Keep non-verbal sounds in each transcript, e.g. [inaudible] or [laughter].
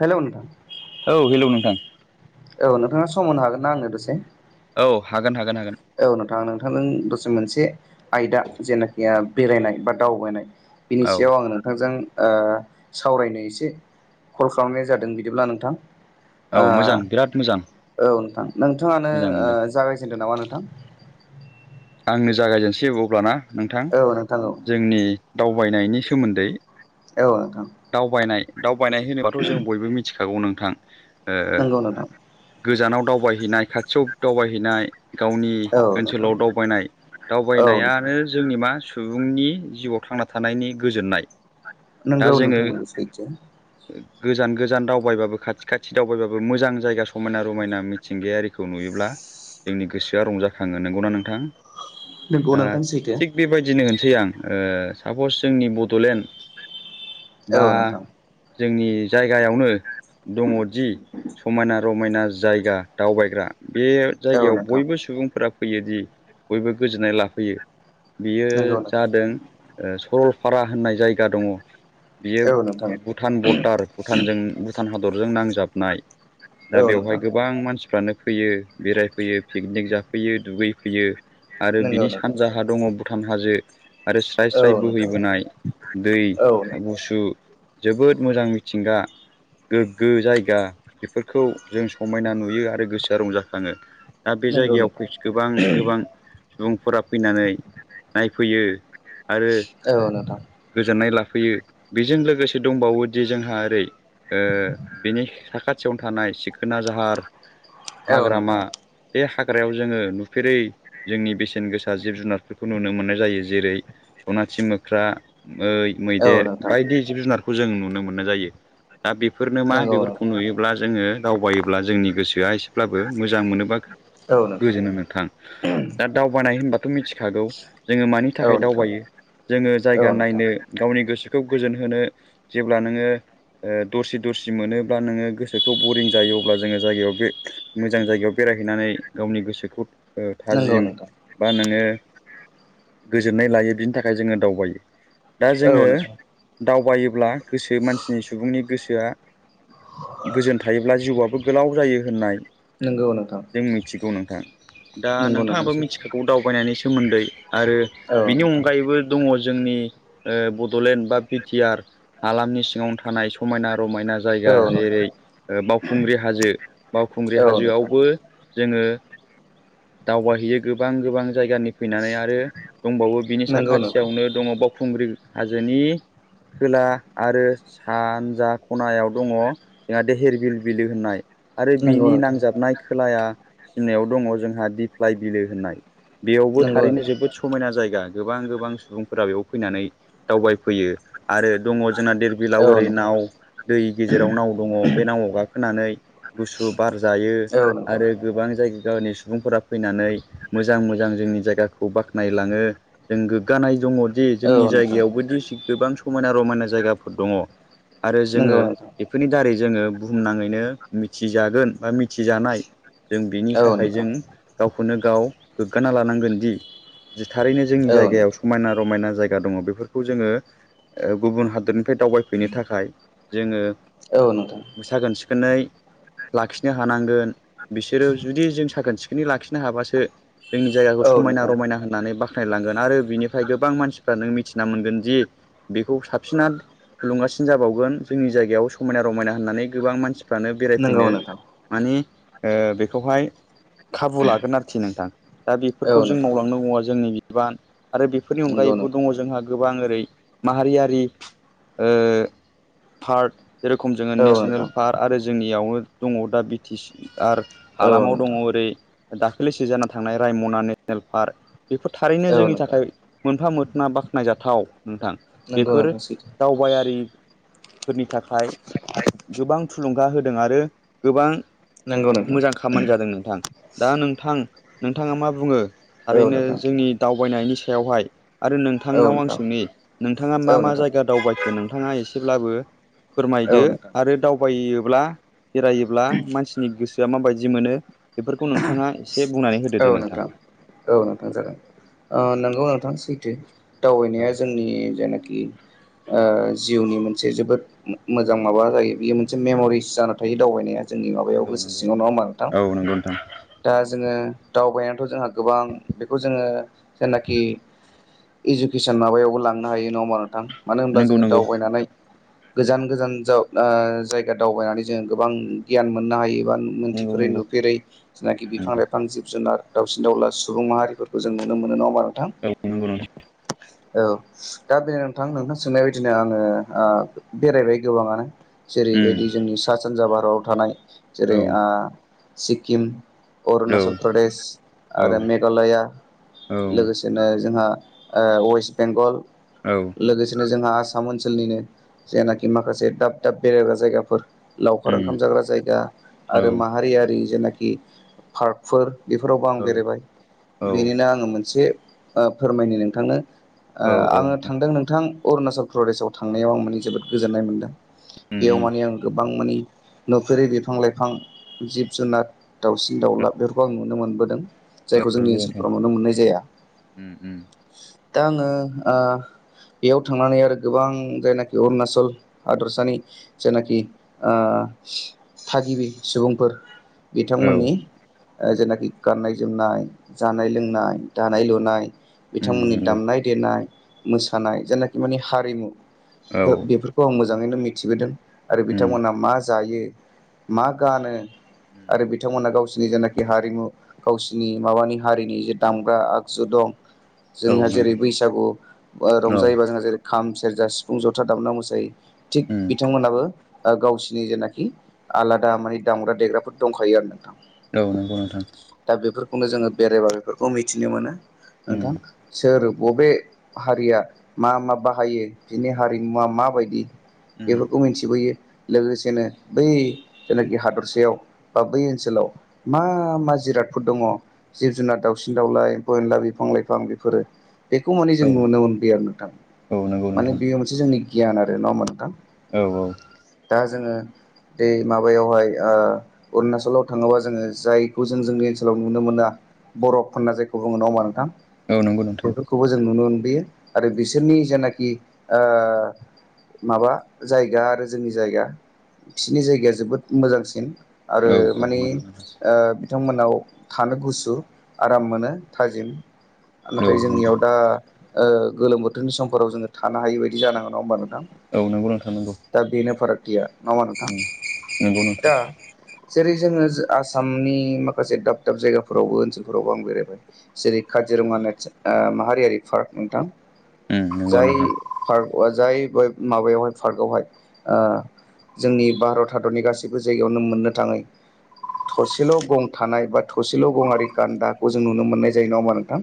Hello नोंथां ओं औ नोंथाङा समावनो हागोन ना आंनो दसे औ हागोन हागोन हागोन औ नोंथां नोंथांजों दसे मोनसे आयदा जेनाखि बेरायनाय बा दावबायनाय बिनि औ सायाव आं नोंथांजों ओ सावरायनो एसे कल खालामनाय जादों बिदिब्ला नोंथां औ ओ मोजां बिराद मोजां औ नोंथां नोंथाङानो मोजां मोनदों जागायजेनदों नामा नों आंनो जागायजेनसै अब्लाना नोंथां औ नोंथां औ जोंनि दावबायनायनि सोमोन्दै औ दावबायनाय दावबायनाय होनोबाथ' जों बयबो मिथिखागौ नोंथां ओ नंगौ नोंथां। गोजानाव दावबायहैनाय खाथियाव दावबायहैनाय गावनि औ नोंथां ओनसोलाव दावबायनाय औ नोंथां दावबायनायानो जोंनि मा सु बुंनि जिउआव थांना थानायनि गोजोननाय दा नोंगौ जोङो नोंथांमोन सैथो गोजान गोजान दावबायबाबो खाथि खाथि दावबायबाबो मोजां जायगा समायना रमायना मिथिंगायारिखौ नुयोब्ला जोंनि गोसोआ रंजाखङो नंगौना नोंथां नंगौ दा नोंथां सैथो थिग बेबायदिनो होनोसै आं ओ सापस जोंनि बड'लेण्ड बा औ नोंथां‌। जोंनि जायगायावनो दङदि समायना रमायना जायगा दावबायग्रा बे औ जायगायाव नोंथां बयबो सुबुंफोरा फैयोदि बयबो गोजोननाय लाफैयो बियो नंगौ नोंथां जादों ओ सरलपारा होननाय जायगा दङ। बियो औ नोंथां भुटान बरडार भुटानजों भुटान हादरजों नांजाबनाय दा औ बेवहाय नोंथां गोबां मानसिफ्रानो फैयो बेरायफैयो पिकनिक जाफैयो दुगै फैयो आरो नंगौ बिनि नोंथां सानजाहा दङ भुटान हाजो आरो स्राय औ स्राय नोंथां बोहैबोनाय दै औ नोंथां गुसु जोबोद मोजां मिथिंगा गोग्गो जायगा बेफोरखौ जों समायना नुयो आरो गोसोआ रंजाखङो दा बे नंगौ जायगायाव नोंथां गोबां गोबां सुबुंफोरा फैनानै नायफैयो आरो औ नोंथां गोजोननाय ला फैयो बेजों लोगोसे दंबावोदि जोंहा ओरै ओ बिनि साखाथियावनो थानाय सिखोना जाहार औ नोंथां हाग्रामा बे हा ग्रायाव जोङो नुफेरै जोंनि बेसेन गोसा जिब जुनारफोरखौ नुनो मोननाय जायो जेरै सना थि मोख्रा, मै, औ मैदेर नोंथां बायदि जिब जुनारखौ जों नुनो मोननाय जायो। दा बेफोरनो मा नंगौ बेफोरखौ नोंथां नुयोब्ला जोङो दावबायोब्ला जोंनि गोसोआ एसे ब्लाबो मोजां मोनोबा गोजोनो नोंथां दा दावबायानाय होनबाथ' मिथि खागौ जोङो मानि औ थाखाय नोंथां दावबायो जोङो औ जायगा नोंथां नायनो गावनि गोसोखौ गोजोन होनो जेब्ला नोङो ओ दरसि दरसि मोनोब्ला नोङो गोसोखौ बरिं जायो अब्ला जोङो जायगायाव बे मोजां जायगायाव बे बेरायहैनानै गावनि गोसोखौ ओ नंगौ थाजिम नोंथां बा नोङो गोजोननाय लायो बिनि थाखाय जोङो दावबायो। दा औ जोङो नोंथां दावबायोब्ला गोसो मानसिनि सुबुंनि गोसोआ गोजोन थायोब्ला जिउआबो गोलाव जायो होननाय नंगौ नोंथां। जों [unintelligible] दा नंगौ नोंथां नोंथाङाबो सैथो मिथिखागौ दावबायनायनि सोमोन्दै आरो औ बिनि नोंथां अनगायैबो दङ' जोंनि ओ बड'लेण्ड बा बिटिआर हालामनि सिङावनो थानाय समायना रमायना जायगा औ नोंथां जेरै ओ बावखुंग्रि हाजो। बावखुंग्रि औ नोंथां हाजोआवबो जोङो दावबायहैयो गोबां गोबां जायगानि फैनानै आरो दंबावो बिनि नंगौ नोंथां साखाथियावनो दङ बावखुंग्रि हाजोनि खोला आरो सानजा खनायाव दङ जोंहा देहेर बिल बिलो होननाय। आरो नंगौ बिनि नोंथां नांजाबनाय खोलाया सिमनायाव दङ जोंहा दिफ्लाय बिलो होननाय। बेयावबो नंगौ थारैनो नोंथां जोबोद समायना जायगा गोबां गोबां सुबुंफोरा बेयाव फैनानै दावबायफैयो आरो दङ' जोंना देरबिलाव औ ओरै नोंथां नाव दै गेजेराव नाव दङ' बे नावआव गाखोनानै गुसु बार जायो औ नोंथां आरो गोबां जायगा गामिनि सुबुंफोरा फैनानै मोजां मोजां जोंनि जायगाखौ बाख्नायलाङो, जों गोग्गानाय दङ' जोंनि औ नोंथां जायगायावबोदि गोबां समायना रमायना जायगाफोर दङ'। आरो जोङो नंगौ नोंथां बेफोरनि दारै जोङो बुहुमनाङैनो मिथिजागोन बा मिथिजानाय जों बिनि औ थाखाय नोंथां जों गावखौनो गाव गोग्गाना लानांगोन दि दि थारैनो जोंनि औ जायगायाव समायना रमायना जायगा जा दङ बेफोरखौ जोङो ओ गुबुन हादरनिफ्राय दावबायफैनो थाखाय जोङो औ नोंथां। [unintelligible] लाखिनो हानांगोन बिसोरो जुदि जों साखोन सिखोनै लाखिनो हाबासो जोंनि जायगाखौ औ समायना नोंथां रमायना होननानै बाखनायलांगोन आरो बिनिफ्राय गोबां मानसि फ्रा नों मिथिना मोनगोन दि बेखौ साबसिना थुलुंगासिन जाबावगोन जोंनि जायगायाव समायना रमायना होननानै गोबां मानसि फ्रानो नंगौ बेरायफैनो नोंथां माने ओ बेखौहाय खाबु लागोन आरोखि नोंथां। दा औ नोंथां नंगौ नोंथां बेफोरखौ औ जों नोंथां मावलांनांगौआ जोंनि बिबान आरो बेफोरनि अनगायैबो दङ' जोंहा गोबां ओरै माहारियारि ओ पार्क जेर'खम जोङो नेसनेल पार्क आरो जोंनियावनो दङ दा बि टि सि आर औ हालामाव दङ नोंथां ओरै दाखालिसो जाना थांनाय रायमना नेसनेल पार्क। बेफोर थारैनो औ जोंनि नोंथां थाखाय मोनफा मोना बाख्नायजाथाव नोंथां। नंगौ बेफोर नोंथां सैथो दावबायारि फोरनि थाखाय गोबां थुलुंगा होदों आरो गोबां नंगौ नोंथां मोजां खामानि जादों नोंथां। दा नोंथां नोंथाङा मा बुङो? औ थारैनो नोंथां जोंनि दावबायनायनि सायावहाय आरो औ नोंथांनाव आं नोंथां सोंनि नोंथाङा औ मा मा नोंथां जायगा दावबायखो नोंथाङा एसेब्लाबो फोरमायदो औ नोंथां आरो दावबायोब्ला बेरायोब्ला मानसिनि गोसोआ माबायदि मोनो बेफोरखौ नोंथाङा एसे बुंनानै होदो दे नोंथां। औ नोंथां जागोन। ओ नंगौ नोंथां सैथो। दावबायनाया औ जोंनि जायनाखि ओ जिउनि मोनसे जोबोद मो-मोजां माबा जायो बियो मोनसे मेमरिस जाना थायो दावबायनाया। जोंनि माबायाव नंगौ गोसो नंगौ सिङाव नङा होमबा नोंथां। औ नंगौ नोंथां दा जोङो दावबायनाथ' जोंहा गोबां बेखौ जोङो जेनाखि इडुकेसन माबायावबो लांनो हायो नङा होमा नोंथां? मानो होनब्ला नंगौ जोङो नंगौ दावबायनानै गोजान गोजान जाव जायगा दावबायनानै जोङो गोबां गियान मोननो हायो। [unintelligible] नंगौ मोनथिफोरै नंगौ नुफेरै जेनाखि बिफां लाइफां जिब जुनार दावसिन दावला सुबुं माहारिफोरखौ जों नुनो मोनो नङाोमा नोंथां? औ नंगौ नोंथां औ दा बे नोंथां नोंथां सोंनाय बायदिनो आङो बेरायबाय गोबाङानो उम जेरैबायदि जोंनि सा सानजा भारताव थानाय औ जेरै सिक्किम औ अरुणाचल प्रदेश औ आरो मेघालया औ लोगोसेनो जोंहा ओ वेसबेंगल औ लोगोसेनो जोंहा आ साम ओनसोलनिनो जेनाखि माखासे दाब दाब बेरायग्रा जायगाफोर लावखार उम ओंखाम जाग्रा जायगा औ आरो माहारियारि जेने- खि पार्कफोर बेफोरावबो आं औ बेरायबाय औ बेनिनो आङो मोनसे ओ फोरमायनि नोंथांनो ओ औ औ आङो थांदों नोंथां। अरुणाचल प्रदेशाव थांनायाव आं माने जोबोद गोजोन्नाय मोनदों। उम बेयाव उम माने आं गोबां मानि नुफेरि बिफां लाइफां जिब जुनार दाउसिन दाउलाफोरखौ आं नुनो मोनबोदों। जायखौ जोंनि नंगौ नोंथां ओनसोलफोराव नुनो मोननाय जाया। उम उम दा आङो आह बेयाव थांनानै आरो गोबां जायनाखि अरुनााचल हादरसानि जेनोखि आ थागिबि सुबुंफोर औ बिथांमोननि ओ जेनाखि गाननाय जोमनाय जानाय लोंनाय दानाय लुनाय उम बिथांमोननि नंगौ दामनाय देनाय मोसानाय जेनाखि माने हारिमु औ ओ बेफोरखौ आं मोजाङैनो मिथिबोदों आरो उम बिथांमोना मा जायो? मा गानो उम आरो बिथांमोना गावसिनि जेनाखि हारिमु गावसिनि माबानि हारिनि जे दामग्रा आगजु दं औ जोंहा जेरै नंगौ बैसागु ओ औ रंजायोबा जोंहा जेरै खाम सेरजा सिफुं जथा दामना मोसायो थिग उम बिथांमोनाबो ओ गावसिनि जेनाखि आलादा माने दामग्रा देग्राफोर दंखायो आरो नोंथां। औ नोंगौ नोंथां। दा बेफोरखौनो जोङो बेरायबा बेफोरखौ मिथिनो मोनो नोंथां उम सोर बबे हारिया मा मा बाहायो? बिनि हारिमुवा मा- बायदि उम बेफोरखौ मिथिबोयो लोगोसेनो बै जेनाखि हादरसायाव बा बै ओनसोलाव मा मा जिराद- फोर दङ जिब जुनार दाउसिन दाउला एम्फौ एनला बिफां लाइफां बेफोरो बेखौ माने जों औ नुनो मोनबोयो आरो नोंथां औ नंगौ माने नोंथां बेयो मोनसे जोंनि गियान आरो नङा होमबा नोंथां? औ औ। दा जोङो दे माबायावहाय ओ अरुणाचलाव थाङोबा जोङो जायखौ जों जोंनि ओनोल- लाव नुनो मोना बरफ होनना जायखौ बुङो नङा होमबा नोंथां? औ नंगौ नोंथां बेफोरखौबो जों नुनो ओन- बोयो आरो बिसोरनि जेनाखि ओ माबा जायगा आरो जोंनि जायगा फिसोनि जायगाया जोबोद मोजांसिन आरो औ औ माने नंगौ नोंथां ओ बिथांमोनाव थानो गुसु आराम मोनो थाजिम आ नाथाय जोंनियाव दा ओ गोलोम बोथोरनि समफोराव जोङो थानो हायि बायदि जानाङो नङा होमबा नों- थां औ नंगौ औ नंगौ नोंथां नंगौ दा बेनो फारागथिया माला नोंथां? उम नंगौ नोंथां दा जेरै जोङो जो आसामनि माखासे दाब दाब जायगाफोरावबो ओनसोलफोरावबो आं बेरायबाय जेरै काजिरङा नेच ओ माहारियारि पार्क नोंथां। उम नंगौ जाय नोंथां पार्कवा जाय गयग माबायावहाय पार्कआवहाय ओ जोंनि भारत हादरनि गासैबो जायगायावनो मोननो थाङै थसेल' गं थानाय बा थ थसेल' गंआरि गान्दाखौ जों नुनो मोननाय जायो नङा ओमबा नोंथां?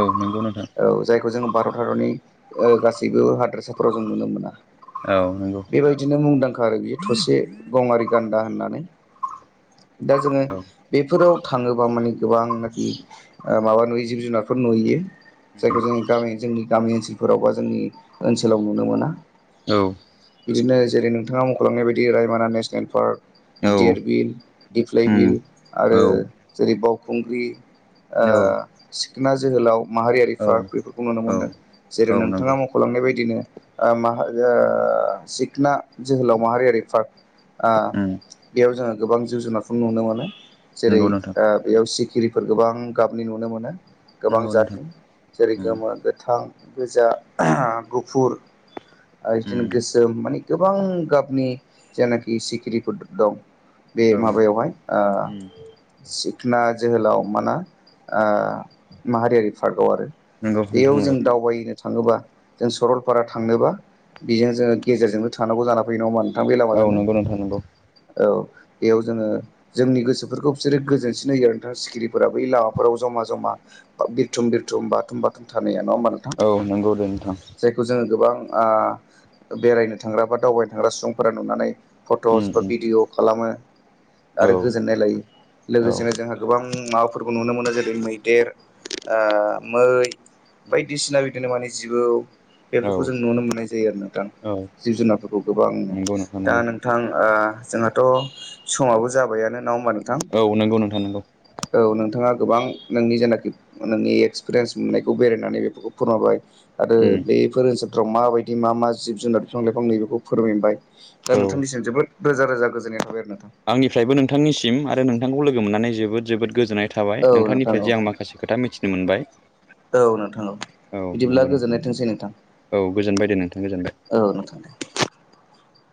औ नंगौ नोंथां औ जायखौ जों भारत हादरनि ओ गासैबो हादोरसा- फोराव जों नुनो मोना औ नंगौ । बेबायदिनो मुंदांखा आरो बियो थसे गंआरि गान्दा होननानै दा जोङो औ बेफोराव गोबां मानि गोबांनाखि ओ माबा नुयो जिब जुनारफोर नुयो जायखौ जोंनि गामि जोंनि गामि ओनसोलफोराव बा जोंनि ओनसोलाव नुनो मोना । बिदिनो जेरै नोंथाङा मुंख'लांनाय बायदि रायमना नेसनेल पार्क औ देर बिल, दिफ्लाय बिल उम आरो औ जेरै बावखुंग्रि ओ सिखोना जोहोलाव माहारियारि औ पार्क बेफोरखौ नुनो औ मोन्दों जेरै औ नोंथाङा नंगौ मख'लांनाय बायदिनो ओ माहा ओ सिखना जोहोलाव माहारियारि फोर ओ उम बेयाव जोङो गोबां जिब जुनारफोर नुनो मोनो । नंगौ नोंथां । ओ बेयाव सिखिरिफोर गोबां गाबनि नुनो मोनो गोबां नंगौ नोंथां जातनि जेरै उम गोमो, गोथां गोजा, गुफुर बिदिनो उम गोसोम माने गोबां गाबनि जेनाखि सिखिरिफोर दं बे औ माबायावहाय ओ उम सिखना जोहोलाव माना ओ माहारियारि फारख आव आरो नंगौ नोंथां बेयाव जों नंगौ दावबायनो थाङोबा जों सरलपारा थांनोबा बेजों जोङो गेजेरजोंनो थानांगौ जाना फैयो नङा होनबा । औ नंगौ नोंथां नंगौ औ बेयाव जोङो जोंनि गोसोफोरखौ बिसोरो गोजोनसिन होयो आरो नोंथाङा सिखिरिफोरा बै लामाफोराव जमा ज'मा बिरथुम बिरथुम बाथुम बाथुम थानाया नङा होमबा नोंथां औ नंगौ दे नोंथां जायखौ जोङो गोबां ओ बेरायनो थांग्रा बा दावबायनो थांग्रा सुबुंफोरा नुनानै उम फट'स बा उम भिडिअ खालामो औ आरो गोजोननाय लायो औ लोगोसेनो जोंहा गोबां ओं माबाफोरखौ नुनो मोनो जेरै मैदेर ओ मै बायदिसिना बिदिनो माने जिबौ औ बेफोरखौ जों नुनो मोननाय जायो आरो नोंथां औ जिब जुनारफोरखौ गोबां नंगौ नोंथां दा नंगौ नोंथां ओ जोंहाथ' समाबो जाबायानो ना होङा होनबा नोंथां औ नोंगौ [unintelligible] औ नोंथाङा गोबां नोंनि जेनाखि नोंनि एक्सपिरियेन्स मोननायखौ बेरायनानै बेफोरखौ फोरमायबाय आरो उम बेफोर ओनसोलफ्राव माबायदि मा मा जिब जुनार बिफां लाइफां नैबेखौ फोरमायबाय दा औ नोंथांनिसिम जोबोद रोजा रोजा गोजोननाय थाबाय आरो । आंनिफ्रायबो नोंथांनिसिम आरो नोंथांखौ लोगो मोननानै जोबोद जोबोद गोजोननाय थाबाय औ नोंथां नोंथांनिफ्राय औ जे आं माखासे खोथा मिथिनो मोनबाय । औ नोंथां औ । बिदिब्ला गोजोननाय थोंसै नोंथां । औ गोजोनबाय दे नोंथां गोजोनबाय । [inaudible]